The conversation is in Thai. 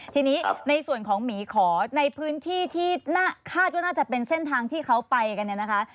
ทีนี้ในส่วนของหมีขอในพื้นที่ที่คาดว่าน่าจะเป็นเส้นทางที่เขาไปกันเนี่ยนะคะ